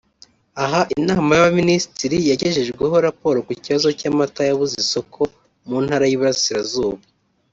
Aha inama y’abaminisitiri yagejejweho raporo ku kibazo cy’amata yabuze isoko mu ntara y’iburasirazuba